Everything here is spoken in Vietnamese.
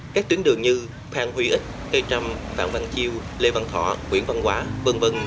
các tuyến đường như phan huy ích cây trăm phạm văn chiêu lê văn thọ nguyễn văn quả v v